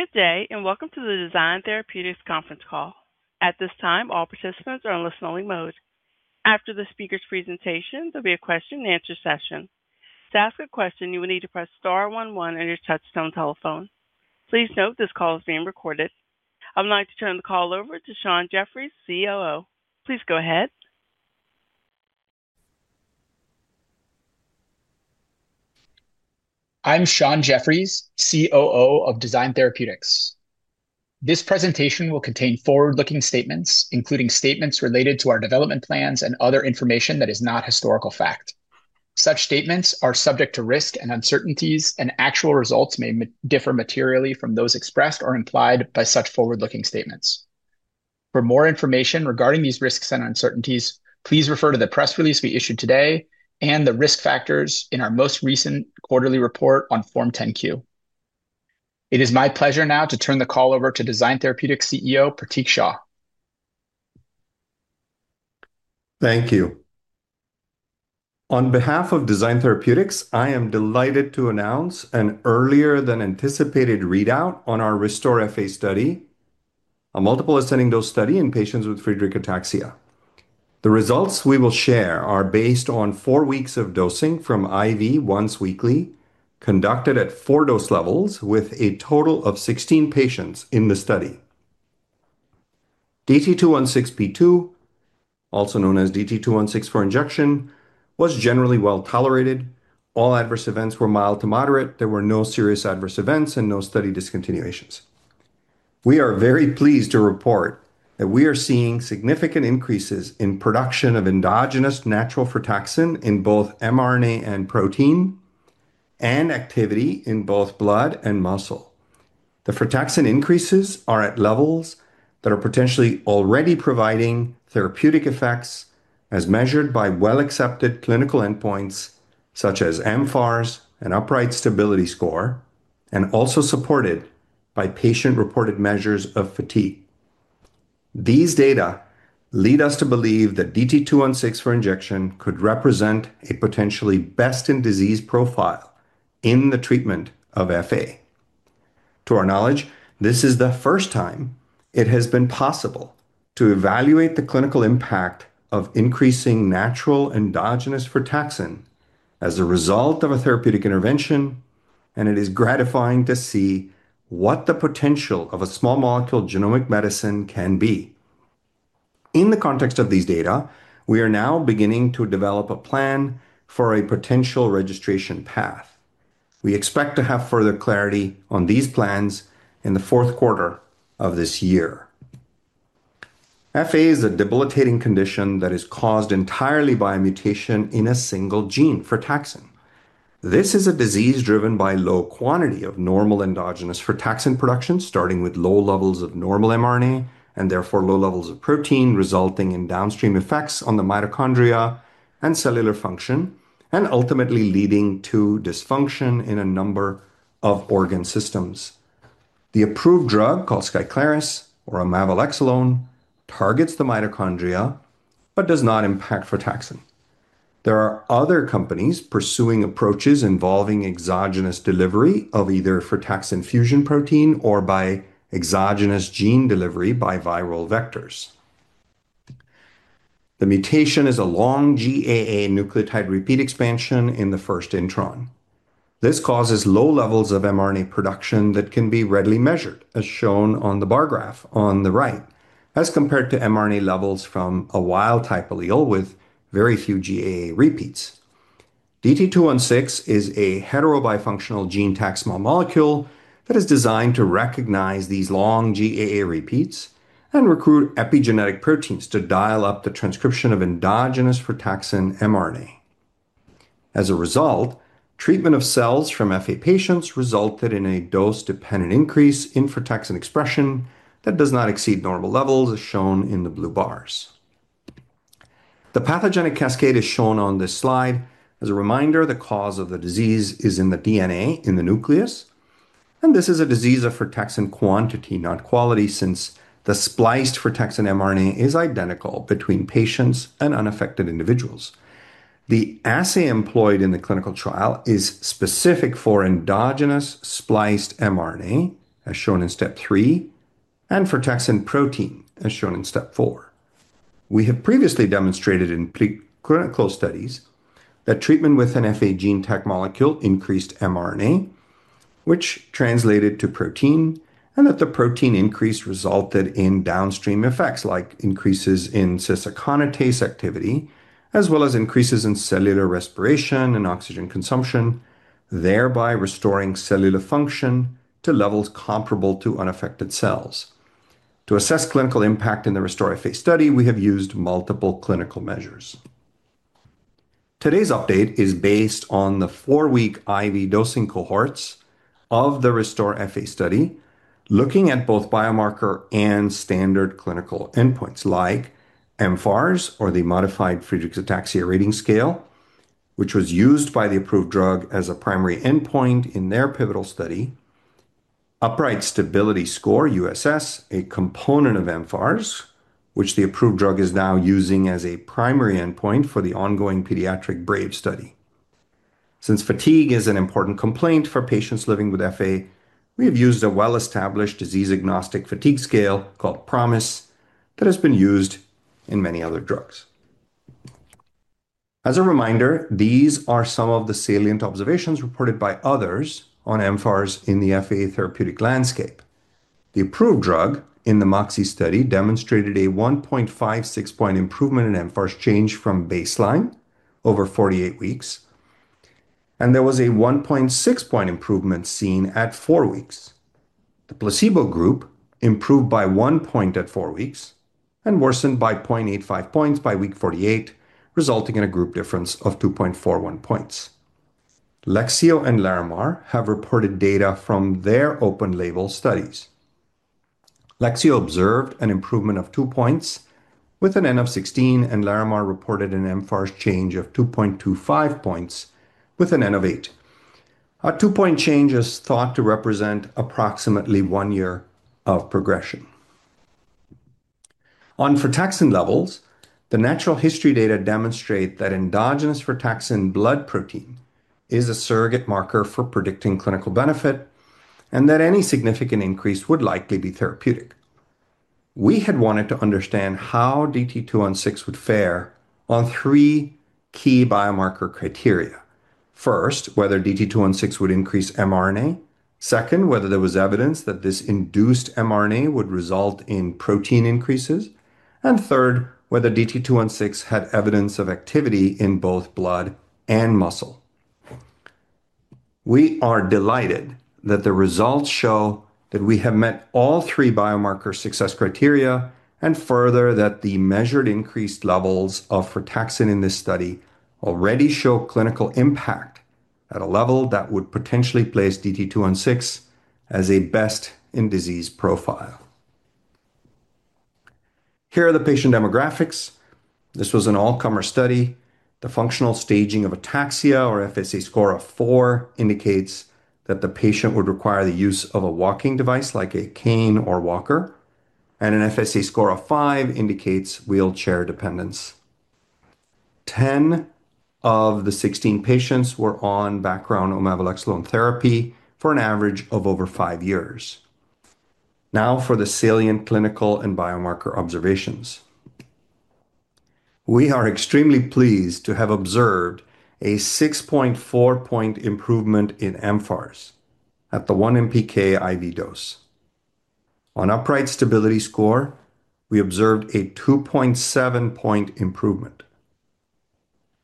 Good day, and welcome to the Design Therapeutics conference call. At this time, all participants are on listen-only mode. After the speaker's presentation, there'll be a question-and-answer session. To ask a question, you will need to press star one one on your touchtone telephone. Please note this call is being recorded. I would like to turn the call over to Sean Jeffries, COO. Please go ahead. I'm Sean Jeffries, COO of Design Therapeutics. This presentation will contain forward-looking statements, including statements related to our development plans and other information that is not historical fact. Such statements are subject to risks and uncertainties, and actual results may differ materially from those expressed or implied by such forward-looking statements. For more information regarding these risks and uncertainties, please refer to the press release we issued today and the risk factors in our most recent quarterly report on Form 10-Q. It is my pleasure now to turn the call over to Design Therapeutics CEO, Pratik Shah. Thank you. On behalf of Design Therapeutics, I am delighted to announce an earlier than anticipated readout on our RESTORE-FA study, a multiple ascending dose study in patients with Friedreich ataxia. The results we will share are based on four weeks of dosing from IV once weekly, conducted at four dose levels with a total of 16 patients in the study. DT-216P2, also known as DT-216 for injection, was generally well-tolerated. All adverse events were mild to moderate. There were no serious adverse events and no study discontinuations. We are very pleased to report that we are seeing significant increases in production of endogenous natural frataxin in both mRNA and protein, and activity in both blood and muscle. The frataxin increases are at levels that are potentially already providing therapeutic effects as measured by well-accepted clinical endpoints such as mFARS and upright stability score, and also supported by patient-reported measures of fatigue. These data lead us to believe that DT-216 for injection could represent a potentially best-in-disease profile in the treatment of FA. To our knowledge, this is the first time it has been possible to evaluate the clinical impact of increasing natural endogenous frataxin as a result of a therapeutic intervention, and it is gratifying to see what the potential of a small molecule genomic medicine can be. In the context of these data, we are now beginning to develop a plan for a potential registration path. We expect to have further clarity on these plans in the fourth quarter of this year. FA is a debilitating condition that is caused entirely by a mutation in a single gene, frataxin. This is a disease driven by low quantity of normal endogenous frataxin production, starting with low levels of normal mRNA, and therefore low levels of protein, resulting in downstream effects on the mitochondria and cellular function, and ultimately leading to dysfunction in a number of organ systems. The approved drug, called SKYCLARYS or omaveloxolone, targets the mitochondria but does not impact frataxin. There are other companies pursuing approaches involving exogenous delivery of either frataxin fusion protein or by exogenous gene delivery by viral vectors. The mutation is a long GAA nucleotide repeat expansion in the first intron. This causes low levels of mRNA production that can be readily measured, as shown on the bar graph on the right, as compared to mRNA levels from a wild-type allele with very few GAA repeats. DT-216 is a heterobifunctional GeneTAC small molecule that is designed to recognize these long GAA repeats and recruit epigenetic proteins to dial up the transcription of endogenous frataxin mRNA. As a result, treatment of cells from FA patients resulted in a dose-dependent increase in frataxin expression that does not exceed normal levels, as shown in the blue bars. The pathogenic cascade is shown on this slide. As a reminder, the cause of the disease is in the DNA in the nucleus, and this is a disease of frataxin quantity, not quality, since the spliced frataxin mRNA is identical between patients and unaffected individuals. The assay employed in the clinical trial is specific for endogenous spliced mRNA, as shown in step three, and frataxin protein, as shown in step four. We have previously demonstrated in preclinical studies that treatment with an FA GeneTAC molecule increased mRNA, which translated to protein, and that the protein increase resulted in downstream effects like increases in cis-aconitase activity, as well as increases in cellular respiration and oxygen consumption, thereby restoring cellular function to levels comparable to unaffected cells. To assess clinical impact in the RESTORE-FA study, we have used multiple clinical measures. Today's update is based on the four-week IV dosing cohorts of the RESTORE-FA study, looking at both biomarker and standard clinical endpoints like mFARS or the Modified Friedreich Ataxia Rating Scale, which was used by the approved drug as a primary endpoint in their pivotal study. Upright Stability Score, USS, a component of mFARS, which the approved drug is now using as a primary endpoint for the ongoing pediatric BRAVE study. Since fatigue is an important complaint for patients living with FA, we have used a well-established disease agnostic fatigue scale called PROMIS that has been used in many other drugs. As a reminder, these are some of the salient observations reported by others on mFARS in the FA therapeutic landscape. The approved drug in the MOXIe study demonstrated a 1.56-point improvement in mFARS change from baseline over 48 weeks, and there was a 1.6-point improvement seen at four weeks. The placebo group improved by one point at four weeks and worsened by 0.85 points by week 48, resulting in a group difference of 2.41 points. LEXEO and Larimar have reported data from their open-label studies. LEXEO observed an improvement of two points with an N of 16, and Larimar reported an mFARS change of 2.25 points with an N of eight. A two-point change is thought to represent approximately one year of progression. On frataxin levels, the natural history data demonstrate that endogenous frataxin blood protein is a surrogate marker for predicting clinical benefit and that any significant increase would likely be therapeutic. We had wanted to understand how DT-216 would fare on three key biomarker criteria. First, whether DT-216 would increase mRNA. Second, whether there was evidence that this induced mRNA would result in protein increases. Third, whether DT-216 had evidence of activity in both blood and muscle. We are delighted that the results show that we have met all three biomarker success criteria, and further, that the measured increased levels of frataxin in this study already show clinical impact at a level that would potentially place DT-216 as a best in disease profile. Here are the patient demographics. This was an all-comer study. The Functional Staging for Ataxia or FSA score of four indicates that the patient would require the use of a walking device like a cane or walker, and an FSA score of five indicates wheelchair dependence. 10 of the 16 patients were on background omaveloxolone therapy for an average of over five years. For the salient clinical and biomarker observations. We are extremely pleased to have observed a 6.4-point improvement in mFARS at the 1 mg/kg IV dose. On upright stability score, we observed a 2.7-point improvement.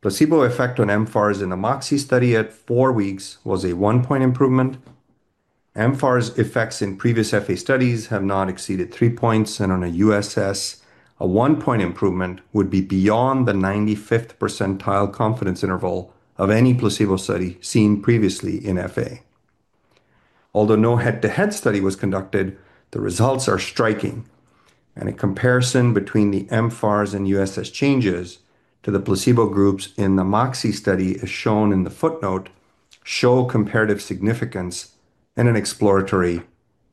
Placebo effect on mFARS in the MOXIe study at four weeks was a one-point improvement. mFARS effects in previous FA studies have not exceeded three points and on a USS, a one-point improvement would be beyond the 95th percentile confidence interval of any placebo study seen previously in FA. Although no head-to-head study was conducted, the results are striking, and a comparison between the mFARS and USS changes to the placebo groups in the MOXIe study, as shown in the footnote, show comparative significance in an exploratory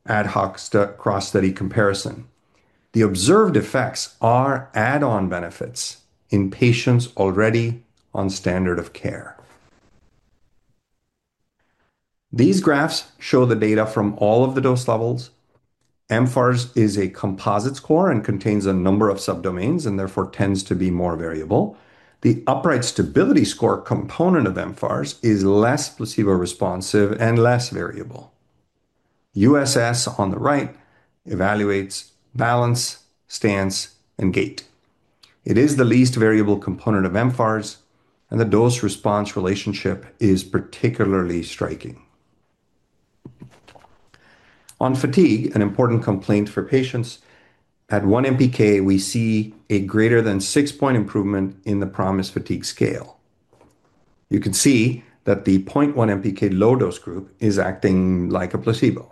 ad hoc cross-study comparison. The observed effects are add-on benefits in patients already on standard of care. These graphs show the data from all of the dose levels. mFARS is a composite score and contains a number of subdomains and therefore tends to be more variable. The upright stability score component of mFARS is less placebo responsive and less variable. USS on the right evaluates balance, stance, and gait. It is the least variable component of mFARS, and the dose response relationship is particularly striking. On fatigue, an important complaint for patients, at 1 mg/kg, we see a greater than six point improvement in the PROMIS fatigue scale. You can see that the 0.1 mg/kg low dose group is acting like a placebo.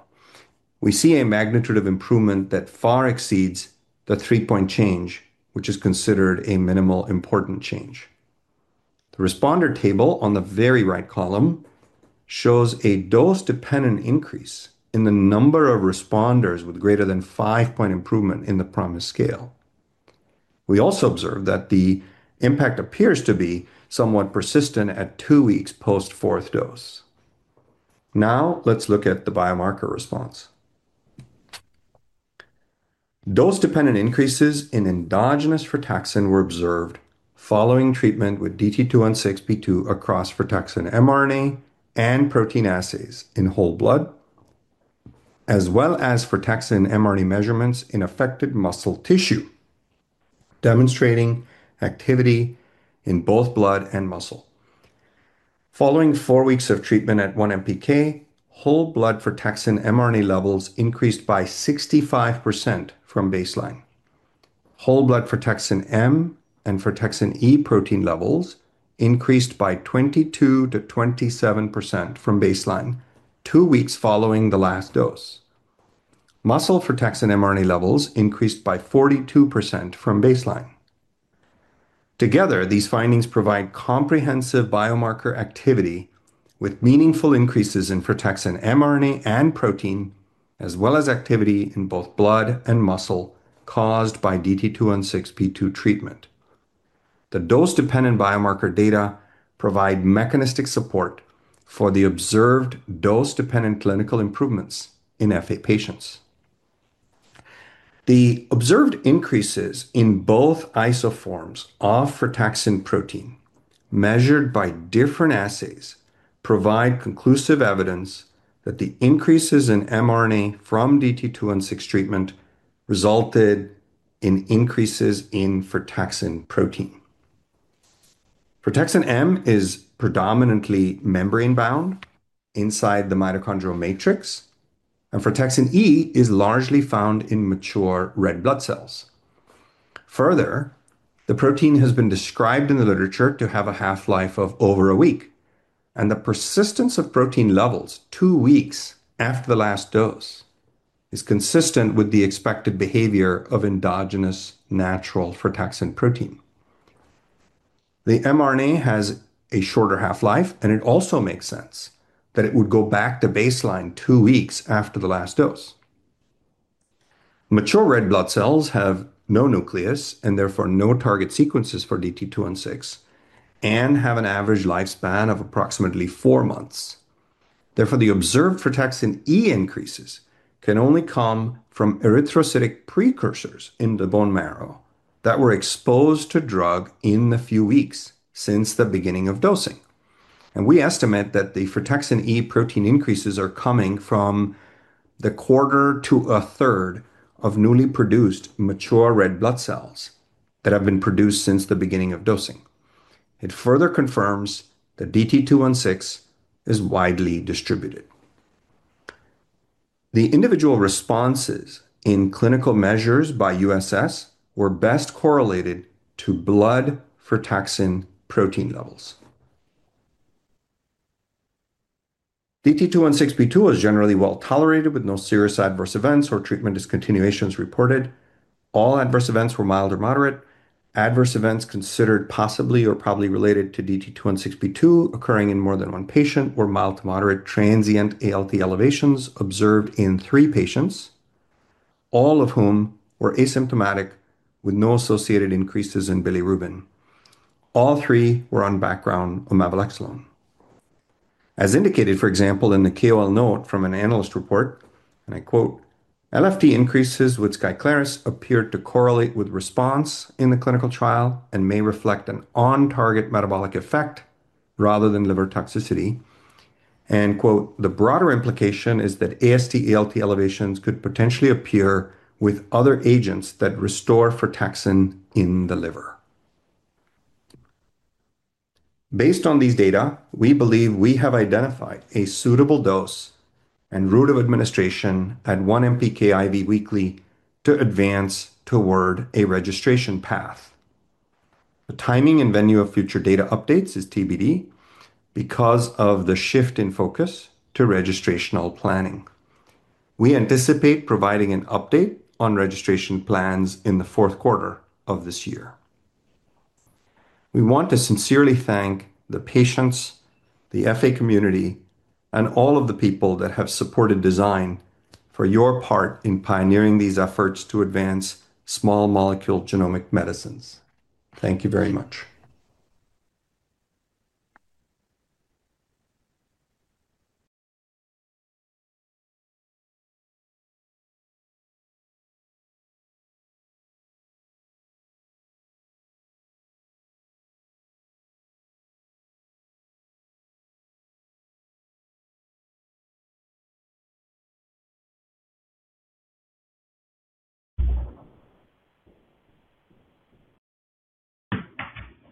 We see a magnitude of improvement that far exceeds the three-point change, which is considered a minimal important change. The responder table on the very right column shows a dose-dependent increase in the number of responders with greater than five-point improvement in the PROMIS scale. We also observe that the impact appears to be somewhat persistent at two weeks post fourth dose. Let's look at the biomarker response. Dose-dependent increases in endogenous frataxin were observed following treatment with DT-216P2 across frataxin mRNA and protein assays in whole blood, as well as frataxin mRNA measurements in affected muscle tissue, demonstrating activity in both blood and muscle. Following four weeks of treatment at 1 mg/kg, whole blood frataxin mRNA levels increased by 65% from baseline. Whole blood frataxin-M and frataxin-E protein levels increased by 22%-27% from baseline two weeks following the last dose. Muscle frataxin mRNA levels increased by 42% from baseline. Together, these findings provide comprehensive biomarker activity with meaningful increases in frataxin mRNA and protein, as well as activity in both blood and muscle caused by DT-216P2 treatment. The dose-dependent biomarker data provide mechanistic support for the observed dose-dependent clinical improvements in FA patients. The observed increases in both isoforms of frataxin protein measured by different assays provide conclusive evidence that the increases in mRNA from DT-216 treatment resulted in increases in frataxin protein. Frataxin-M is predominantly membrane-bound inside the mitochondrial matrix, and frataxin-E is largely found in mature red blood cells. Further, the protein has been described in the literature to have a half-life of over a week, and the persistence of protein levels two weeks after the last dose is consistent with the expected behavior of endogenous natural frataxin protein. The mRNA has a shorter half-life, and it also makes sense that it would go back to baseline two weeks after the last dose. Mature red blood cells have no nucleus and therefore no target sequences for DT-216 and have an average lifespan of approximately four months. Therefore, the observed frataxin-E increases can only come from erythrocytic precursors in the bone marrow that were exposed to drug in the few weeks since the beginning of dosing. We estimate that the frataxin-E protein increases are coming from the quarter to a third of newly produced mature red blood cells that have been produced since the beginning of dosing. It further confirms that DT-216 is widely distributed. The individual responses in clinical measures by USS were best correlated to blood frataxin protein levels. DT-216P2 is generally well-tolerated with no serious adverse events or treatment discontinuations reported. All adverse events were mild or moderate. Adverse events considered possibly or probably related to DT-216P2 occurring in more than one patient were mild to moderate transient ALT elevations observed in three patients, all of whom were asymptomatic with no associated increases in bilirubin. All three were on background omaveloxolone. As indicated, for example, in the KOL note from an analyst report, and I quote, "LFT increases with SKYCLARYS appeared to correlate with response in the clinical trial and may reflect an on-target metabolic effect rather than liver toxicity." And quote, "The broader implication is that AST/ALT elevations could potentially appear with other agents that restore frataxin in the liver." Based on these data, we believe we have identified a suitable dose and route of administration at 1 mg/kg IV weekly to advance toward a registration path. The timing and venue of future data updates is TBD because of the shift in focus to registrational planning. We anticipate providing an update on registration plans in the fourth quarter of this year. We want to sincerely thank the patients, the FA community, and all of the people that have supported Design for your part in pioneering these efforts to advance small molecule genomic medicines. Thank you very much.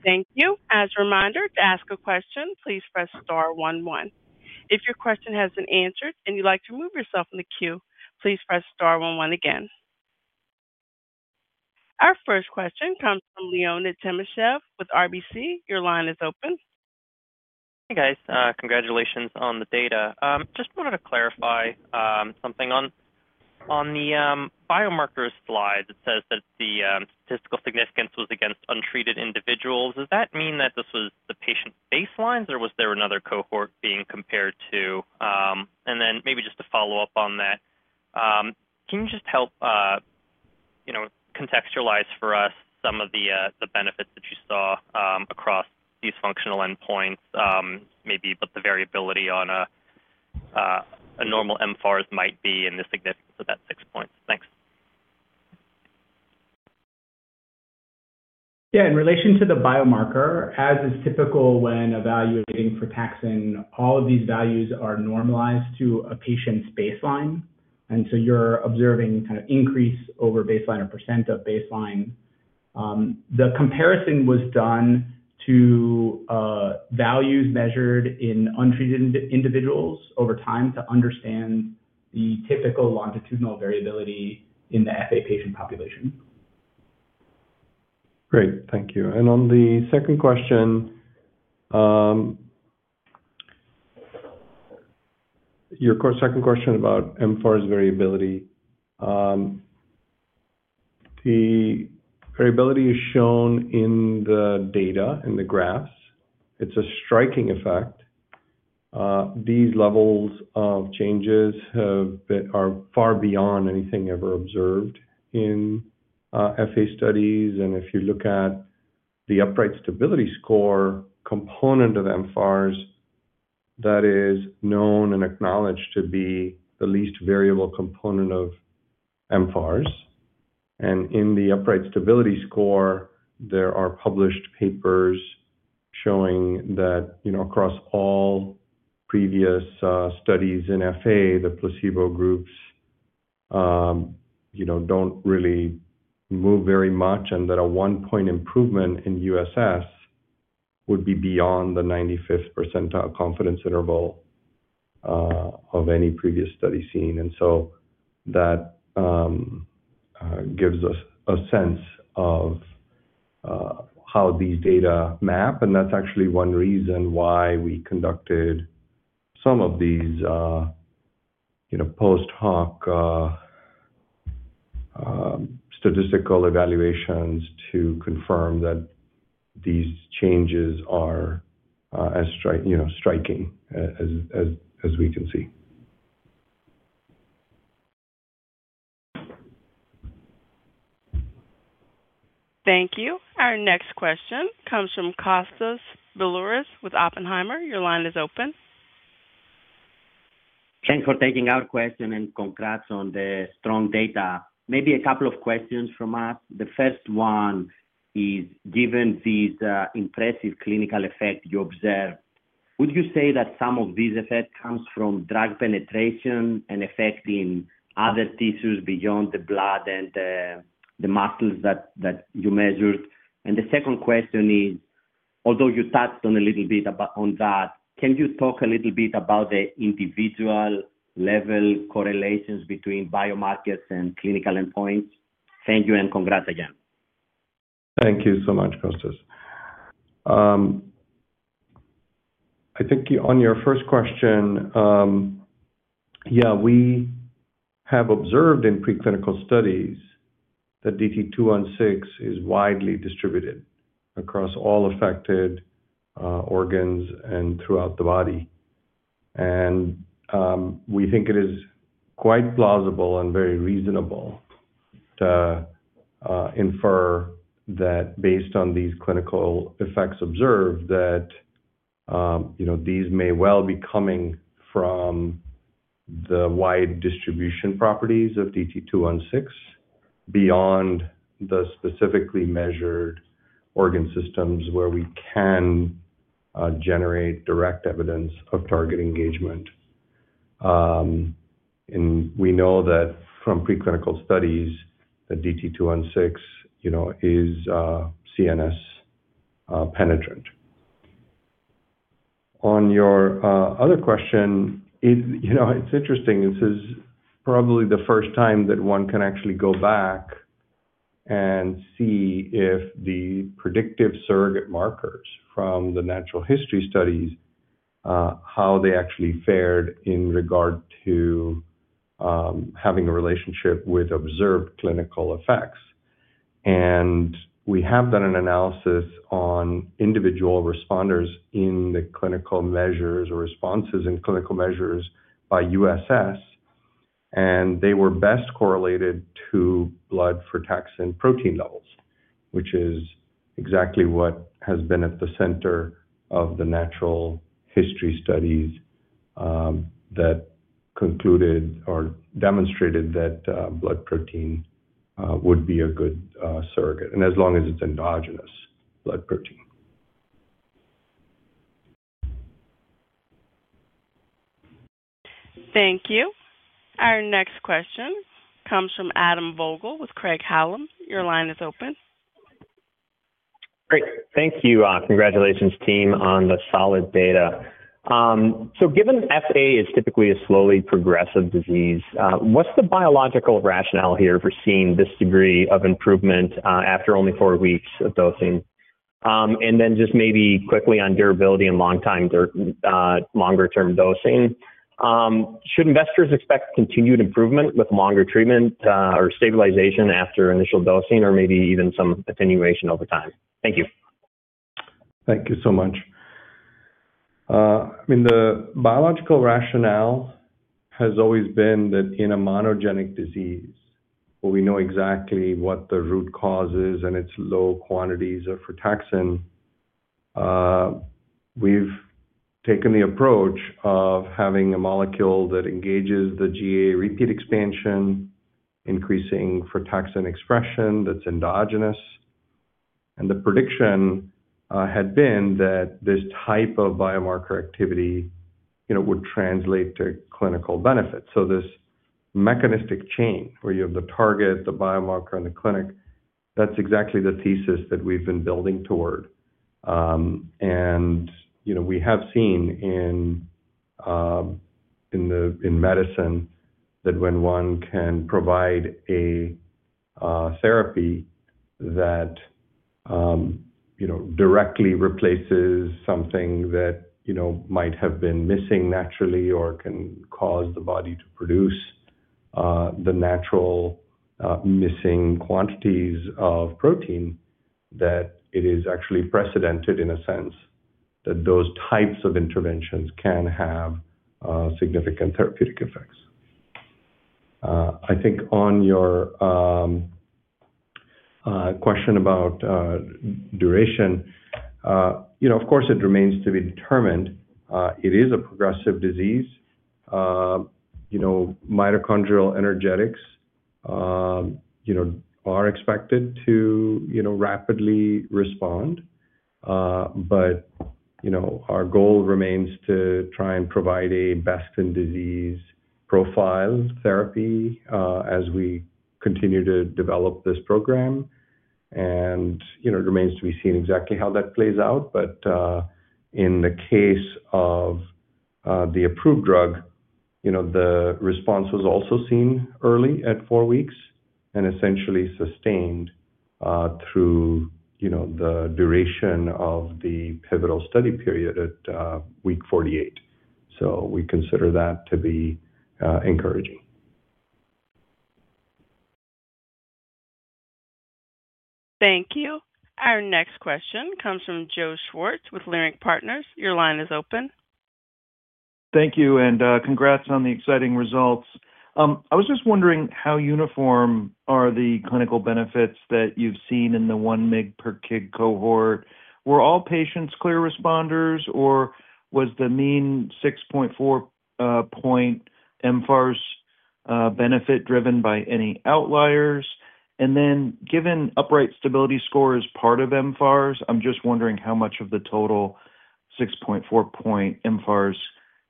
Thank you. As a reminder, to ask a question, please press star one one. If your question has been answered and you'd like to move yourself in the queue, please press star one one again. Our first question comes from Leonid Timashev with RBC. Your line is open. Hey, guys. Congratulations on the data. Just wanted to clarify something. On the biomarkers slide, it says that the statistical significance was against untreated individuals. Does that mean that this was the patient baselines, or was there another cohort being compared to? Then maybe just to follow up on that, can you just help, you know, contextualize for us some of the benefits that you saw across these functional endpoints, maybe what the variability on a normal mFARS might be and the significance of that 6 points? Thanks. In relation to the biomarker, as is typical when evaluating frataxin, all of these values are normalized to a patient's baseline, and so you're observing kind of increase over baseline or percent of baseline. The comparison was done to values measured in untreated individuals over time to understand the typical longitudinal variability in the FA patient population. Great. Thank you. On the second question, your second question about mFARS' variability. The variability is shown in the data, in the graphs. It's a striking effect. These levels of changes are far beyond anything ever observed in FA studies. If you look at the upright stability score component of mFARS, that is known and acknowledged to be the least variable component of mFARS. In the upright stability score, there are published papers showing that, you know, across all previous studies in FA, the placebo groups, you know, don't really move very much, and that a one-point improvement in USS would be beyond the 95th percentile confidence interval of any previous study seen. That gives us a sense of how these data map. That's actually one reason why we conducted some of these, you know, post-hoc statistical evaluations to confirm that these changes are, you know, striking as we can see. Thank you. Our next question comes from Kostas Biliouris with Oppenheimer. Your line is open. Thanks for taking our question, and congrats on the strong data. Maybe a couple of questions from us. The first one is, given these impressive clinical effect you observed, would you say that some of these effect comes from drug penetration and effect in other tissues beyond the blood and the muscles that you measured? The second question is, although you touched on a little bit on that, can you talk a little bit about the individual level correlations between biomarkers and clinical endpoints? Thank you, and congrats again. Thank you so much, Kostas. I think on your first question, yeah, we have observed in preclinical studies that DT-216 is widely distributed across all affected organs and throughout the body. We think it is quite plausible and very reasonable to infer that based on these clinical effects observed that, you know, these may well be coming from the wide distribution properties of DT-216 beyond the specifically measured organ systems where we can generate direct evidence of target engagement. We know that from preclinical studies that DT-216, you know, is CNS penetrant. On your other question is, you know, it's interesting. This is probably the first time that one can actually go back and see if the predictive surrogate markers from the natural history studies, how they actually fared in regard to having a relationship with observed clinical effects. We have done an analysis on individual responders in the clinical measures or responses in clinical measures by USS, and they were best correlated to blood frataxin protein levels, which is exactly what has been at the center of the natural history studies that concluded or demonstrated that blood protein would be a good surrogate, and as long as it's endogenous blood protein. Thank you. Our next question comes from Adam Vogel with Craig-Hallum. Your line is open. Great. Thank you. Congratulations team on the solid data. Given FA is typically a slowly progressive disease, what's the biological rationale here for seeing this degree of improvement after only four weeks of dosing? Just maybe quickly on durability and longer term dosing, should investors expect continued improvement with longer treatment, or stabilization after initial dosing or maybe even some attenuation over time? Thank you. Thank you so much. I mean, the biological rationale has always been that in a monogenic disease where we know exactly what the root cause is and its low quantities of frataxin, we've taken the approach of having a molecule that engages the GAA repeat expansion, increasing frataxin expression that's endogenous. The prediction had been that this type of biomarker activity, you know, would translate to clinical benefit. This mechanistic chain where you have the target, the biomarker, and the clinic, that's exactly the thesis that we've been building toward. You know, we have seen in medicine that when one can provide a therapy that, you know, directly replaces something that, you know, might have been missing naturally or can cause the body to produce the natural missing quantities of protein that it is actually precedented in a sense that those types of interventions can have significant therapeutic effects. I think on your question about duration, you know, of course it remains to be determined. It is a progressive disease. You know, mitochondrial energetics, you know, are expected to, you know, rapidly respond. You know, our goal remains to try and provide a best-in-disease profile therapy as we continue to develop this program. You know, it remains to be seen exactly how that plays out. In the case of the approved drug, you know, the response was also seen early at four weeks and essentially sustained, you know, through the duration of the pivotal study period at week 48. We consider that to be encouraging. Thank you. Our next question comes from Joseph Schwartz with Leerink Partners. Your line is open. Thank you, and congrats on the exciting results. I was just wondering how uniform are the clinical benefits that you've seen in the 1 mg per kg cohort. Were all patients clear responders, or was the mean 6.4 point mFARS benefit driven by any outliers? Given upright stability score as part of mFARS, I'm just wondering how much of the total 6.4 point mFARS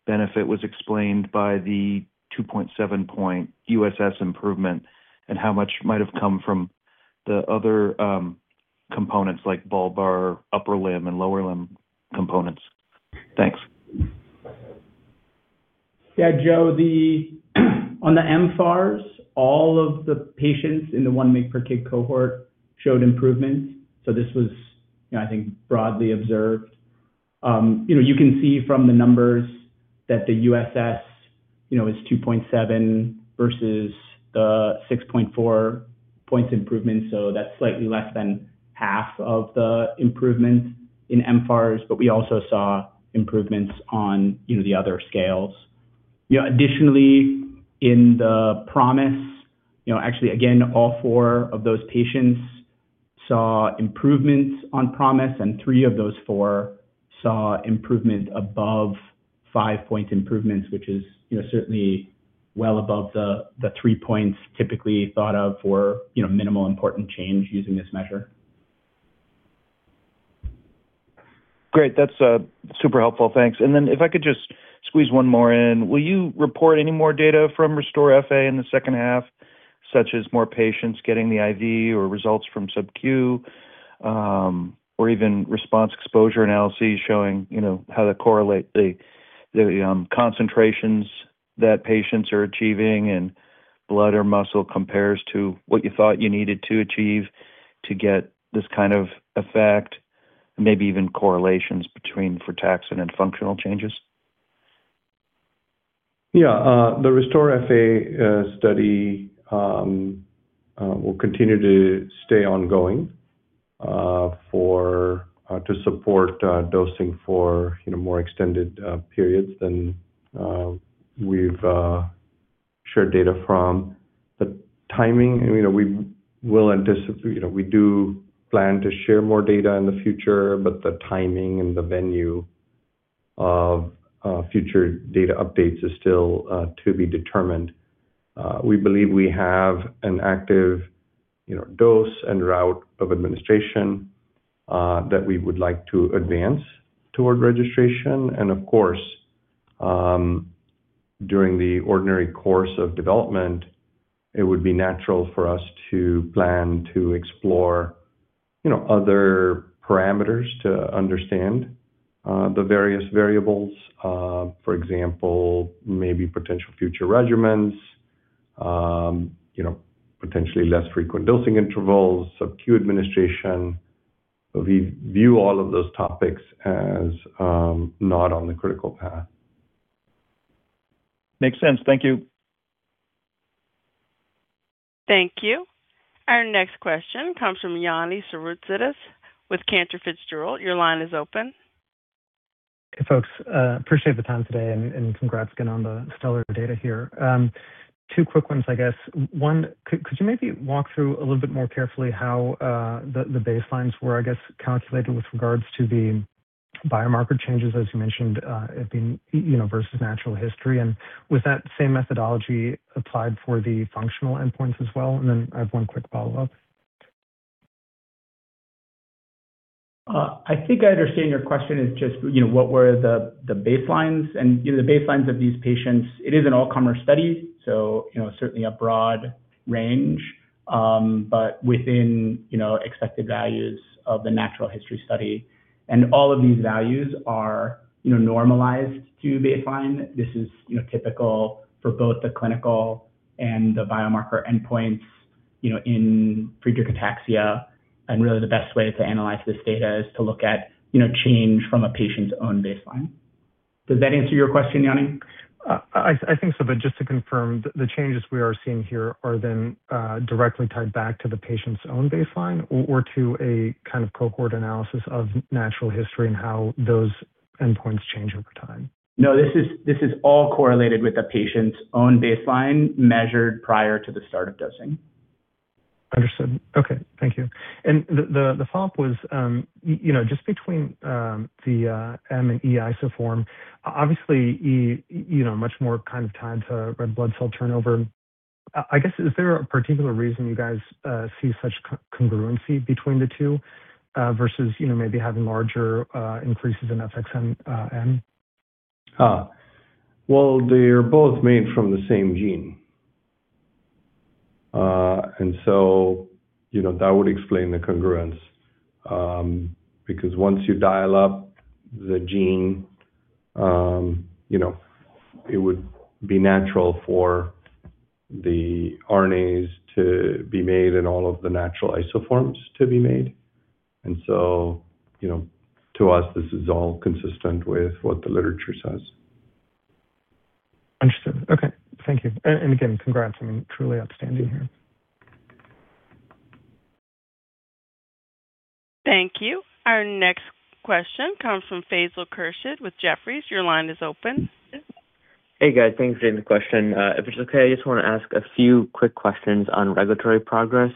benefit was explained by the 2.7 point USS improvement and how much might have come from the other components like bulbar, upper limb, and lower limb components? Thanks. Yeah, Joe, on the mFARS, all of the patients in the 1 mg per kg cohort showed improvement. This was, you know, I think, broadly observed. You know, you can see from the numbers that the USS, you know, is 2.7 versus the 6.4 points improvement, that's slightly less than half of the improvement in mFARS. We also saw improvements on, you know, the other scales. You know, additionally, in the PROMIS, you know, actually again, all four of those patients saw improvements on PROMIS, and three of those four saw improvement above 5-point improvements, which is, you know, certainly well above the three points typically thought of for, you know, minimal important change using this measure. Great. That's super helpful. Thanks. If I could just squeeze one more in. Will you report any more data from RESTORE-FA in the second half, such as more patients getting the IV or results from subQ, or even response exposure analyses showing, you know, how to correlate the concentrations that patients are achieving in blood or muscle compares to what you thought you needed to achieve to get this kind of effect, maybe even correlations between frataxin and functional changes? Yeah, the RESTORE-FA study will continue to stay ongoing for to support dosing for, you know, more extended periods than we've shared data from. The timing, you know, we do plan to share more data in the future, the timing and the venue of future data updates is still to be determined. We believe we have an active, you know, dose and route of administration that we would like to advance toward registration. Of course, during the ordinary course of development, it would be natural for us to plan to explore, you know, other parameters to understand the various variables, for example, maybe potential future regimens, you know, potentially less frequent dosing intervals, subQ administration. We view all of those topics as not on the critical path. Makes sense. Thank you. Thank you. Our next question comes from Yanni Souroutzidis with Cantor Fitzgerald. Your line is open. Hey, folks. Appreciate the time today and congrats again on the stellar data here. Two quick ones, I guess. One, could you maybe walk through a little bit more carefully how the baselines were, I guess, calculated with regards to the biomarker changes, as you mentioned, at the, you know, versus natural history? Was that same methodology applied for the functional endpoints as well? I have one quick follow-up. I think I understand your question is just, you know, what were the baselines. You know, the baselines of these patients, it is an all-comer study, so, you know, certainly a broad range, but within, you know, expected values of the natural history study. All of these values are, you know, normalized to baseline. This is, you know, typical for both the clinical and the biomarker endpoints, you know, in Friedreich ataxia. Really the best way to analyze this data is to look at, you know, change from a patient's own baseline. Does that answer your question, Yanni? I think so, just to confirm, the changes we are seeing here are then directly tied back to the patient's own baseline or to a kind of cohort analysis of natural history and how those endpoints change over time? No, this is all correlated with the patient's own baseline measured prior to the start of dosing. Understood. Okay. Thank you. The follow-up was, you know, just between the M and E isoform, obviously E, you know, much more kind of tied to red blood cell turnover. I guess, is there a particular reason you guys see such congruency between the two, versus, you know, maybe having larger increases in FXN M? Well, they're both made from the same gene. You know, that would explain the congruence. Because once you dial up the gene, you know, it would be natural for the RNAs to be made and all of the natural isoforms to be made. You know, to us, this is all consistent with what the literature says. Understood. Okay. Thank you. Again, congrats. I mean, truly outstanding here. Thank you. Our next question comes from Faisal Khurshid with Jefferies. Your line is open. Hey, guys. Thanks. Great question. If it's okay, I just want to ask a few quick questions on regulatory progress.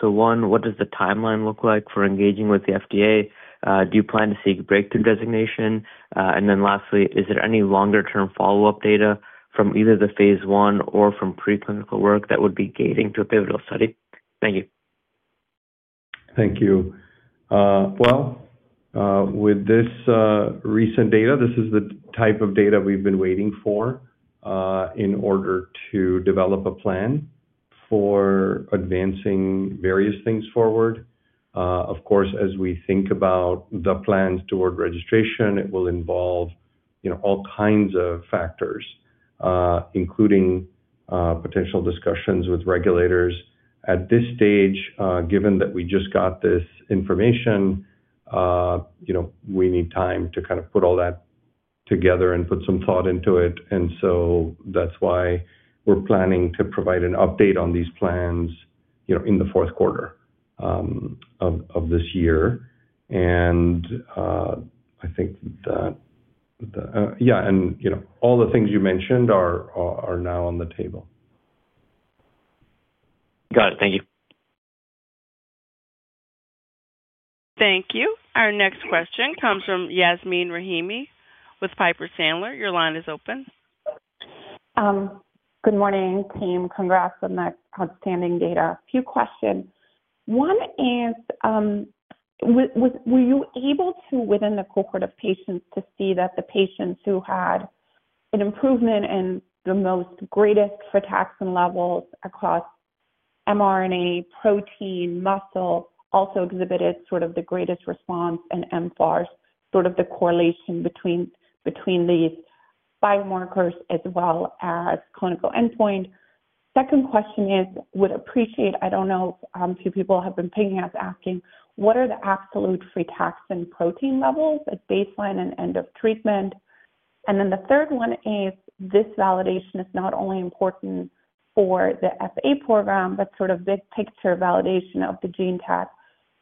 One, what does the timeline look like for engaging with the FDA? Do you plan to seek Breakthrough designation? Lastly, is there any longer-term follow-up data from either the phase I or from preclinical work that would be gating to a pivotal study? Thank you. Thank you. Well, with this recent data, this is the type of data we've been waiting for in order to develop a plan for advancing various things forward. Of course, as we think about the plans toward registration, it will involve, you know, all kinds of factors, including potential discussions with regulators. At this stage, given that we just got this information, you know, we need time to kind of put all that together and put some thought into it. That's why we're planning to provide an update on these plans, you know, in the fourth quarter of this year. I think, you know, all the things you mentioned are now on the table. Got it. Thank you. Thank you. Our next question comes from Yasmeen Rahimi with Piper Sandler. Your line is open. Good morning, team. Congrats on that outstanding data. A few questions. One is, were you able to, within the cohort of patients, to see that the patients who had an improvement in the most greatest frataxin levels across mRNA protein muscle also exhibited sort of the greatest response in mFARS, sort of the correlation between these biomarkers as well as clinical endpoint? Second question is, would appreciate, I don't know, a few people have been pinging us asking, what are the absolute frataxin protein levels at baseline and end of treatment? The third one is, this validation is not only important for the FA program, but sort of big picture validation of the GeneTAC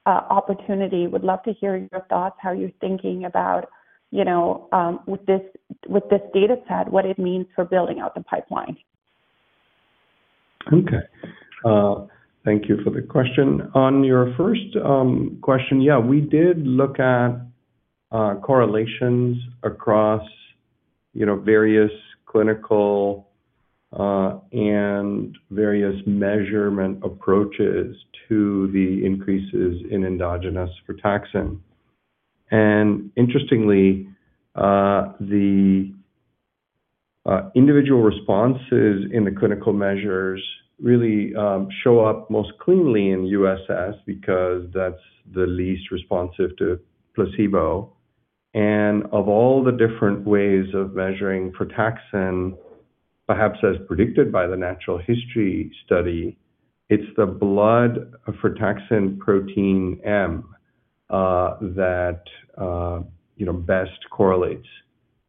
opportunity. Would love to hear your thoughts, how you're thinking about, you know, with this data set, what it means for building out the pipeline. Okay. Thank you for the question. On your first question, yeah, we did look at correlations across, you know, various clinical and various measurement approaches to the increases in endogenous frataxin. Interestingly, the individual responses in the clinical measures really show up most cleanly in USS because that's the least responsive to placebo. Of all the different ways of measuring frataxin, perhaps as predicted by the natural history study, it's the blood frataxin protein M that, you know, best correlates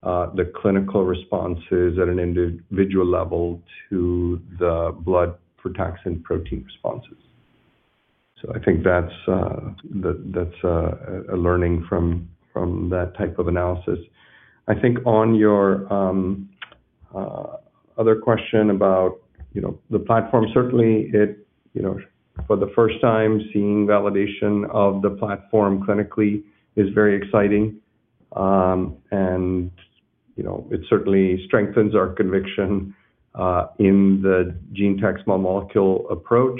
the clinical responses at an individual level to the blood frataxin protein responses. I think that's a learning from that type of analysis. I think on your other question about, you know, the platform, certainly it, you know, for the first time seeing validation of the platform clinically is very exciting. You know, it certainly strengthens our conviction in the GeneTAC small molecule approach.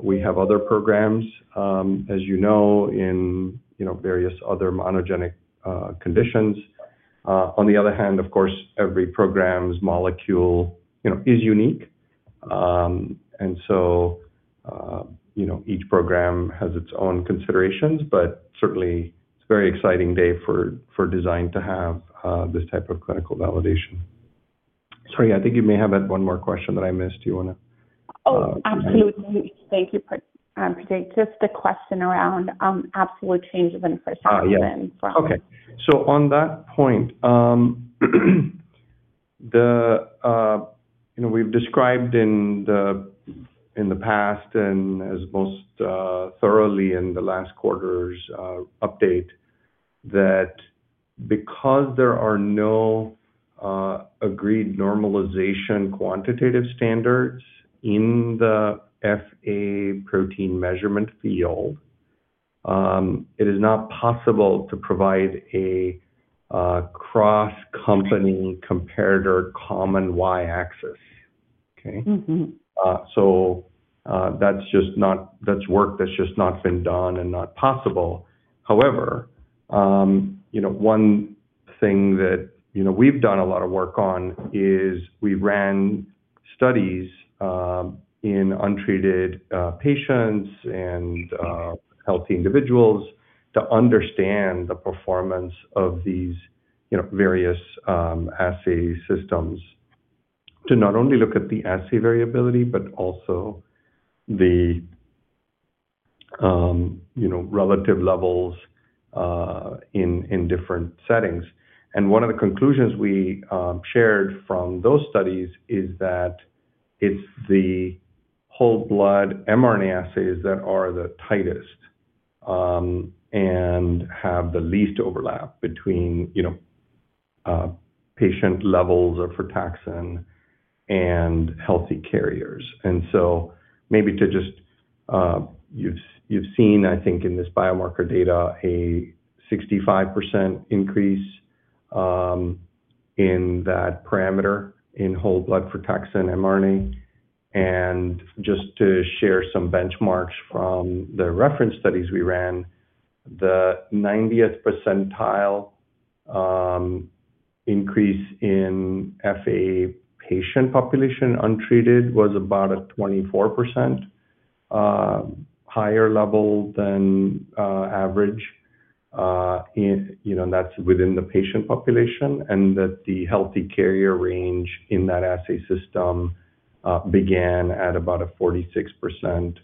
We have other programs, as you know, in, you know, various other monogenic conditions. On the other hand, of course, every program's molecule, you know, is unique. You know, each program has its own considerations, but certainly it's a very exciting day for Design Therapeutics to have this type of clinical validation. Sorry, I think you may have had one more question that I missed. Oh, absolutely. Thank you, Pratik. Just the question around absolute change of interest. Yeah. Then from. Okay. On that point, you know, we've described in the past and as most thoroughly in the last quarter's update that because there are no agreed normalization quantitative standards in the FA protein measurement field, it is not possible to provide a cross-company comparator common Y-axis. Okay. That's work that's just not been done and not possible. However, you know, one thing that, you know, we've done a lot of work on is we ran studies in untreated patients and healthy individuals to understand the performance of these, you know, various assay systems to not only look at the assay variability, but also the, you know, relative levels in different settings. One of the conclusions we shared from those studies is that it's the whole blood mRNA assays that are the tightest and have the least overlap between, you know, patient levels of frataxin and healthy carriers. Maybe to just you've seen, I think, in this biomarker data, a 65% increase in that parameter in whole blood frataxin mRNA. Just to share some benchmarks from the reference studies we ran, the 90th percentile, increase in FA patient population untreated was about a 24% higher level than average, you know, and that's within the patient population, and that the healthy carrier range in that assay system, began at about a 46%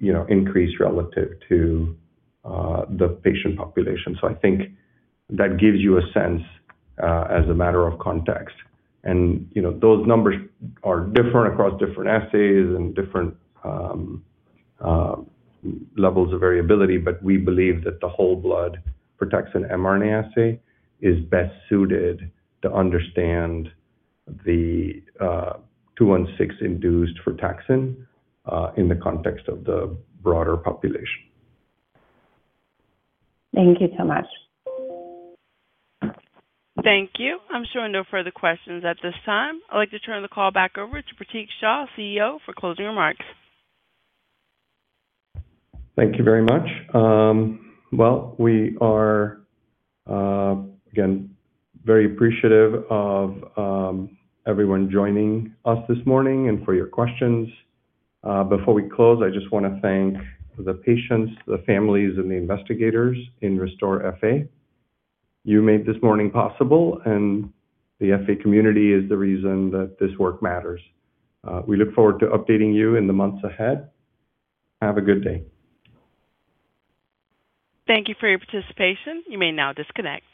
you know, increase relative to the patient population. I think that gives you a sense, as a matter of context. You know, those numbers are different across different assays and different levels of variability, but we believe that the whole blood frataxin mRNA assay is best suited to understand the 216 induced frataxin, in the context of the broader population. Thank you so much. Thank you. I'm showing no further questions at this time. I'd like to turn the call back over to Pratik Shah, CEO, for closing remarks. Thank you very much. Well, we are again, very appreciative of everyone joining us this morning and for your questions. Before we close, I just wanna thank the patients, the families, and the investigators in RESTORE-FA. You made this morning possible, and the FA community is the reason that this work matters. We look forward to updating you in the months ahead. Have a good day. Thank you for your participation. You may now disconnect.